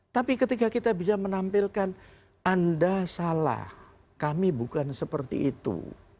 tapi ketika kita bisa menampilkan anda salah kami bukan seperti itu